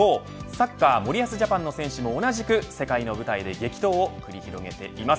サッカー森保ジャパンの選手も同じく世界の舞台で激闘を繰り広げています。